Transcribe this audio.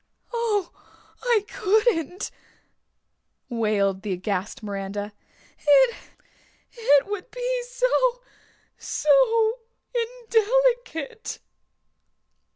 "Oh, I couldn't," wailed the aghast Miranda, "it it would be so so indelicate."